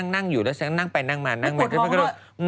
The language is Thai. นั่งอยู่แล้วนางไปนั่งมานั่งไป